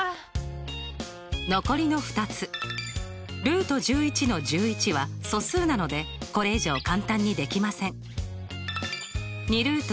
残りの２つの１１は素数なのでこれ以上簡単にできません。